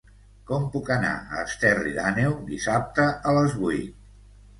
Com puc anar a Esterri d'Àneu dissabte a les vuit?